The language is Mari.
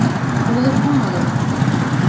Уло кумылын!